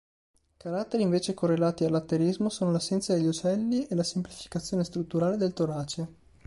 Caratteri invece correlati all'atterismo sono l'assenza degli ocelli e la semplificazione strutturale del torace.